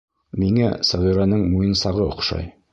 Миңә Сәғирәнең муйынсағы оҡшай!